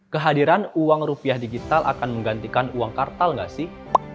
kehadiran uang rupiah digital akan menggantikan uang kartal nggak sih